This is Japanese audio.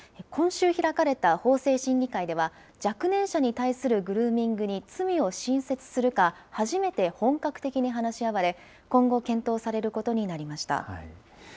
今週開かれた法制審議会では、若年者に対するグルーミングに罪を新設するか、初めて本格的に話し合われ、今後、検討されることになりました。